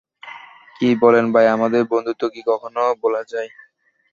কি বলেন ভাই, আমাদের বন্ধুত্ব কি কখনো ভোলা যায়?